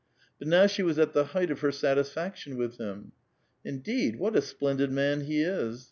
But now she was at the height of her satisfaction with him. "Indeed, what a splendid man he is!